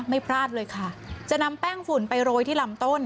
พลาดเลยค่ะจะนำแป้งฝุ่นไปโรยที่ลำต้น